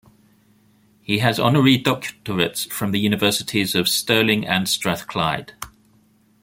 He has honorary doctorates from the Universities of Stirling and Strathclyde.